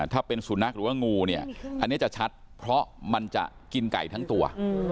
ถ้าเป็นสุนัขหรือว่างูเนี่ยอันนี้จะชัดเพราะมันจะกินไก่ทั้งตัว